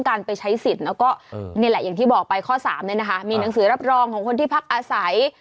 ข้อสามมีหนังสือรับรองของคนที่พักอาศัย